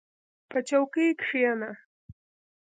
• په چوکۍ کښېنه.